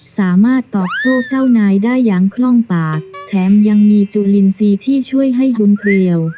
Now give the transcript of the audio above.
สามารถตอบโต้เจ้านายได้อย่างคล่องปากแถมยังมีจุลินทรีย์ที่ช่วยให้ยุนเพลียว